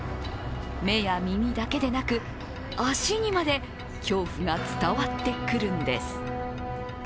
目や耳だけでなく、足にまで恐怖が伝わってくるんです。